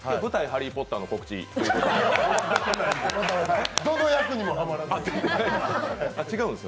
「ハリー・ポッター」の告知ということで。